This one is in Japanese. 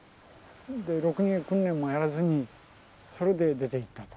ろくに訓練もやらずにそれで出ていったと。